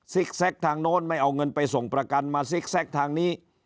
แก๊กทางโน้นไม่เอาเงินไปส่งประกันมาซิกแก๊กทางนี้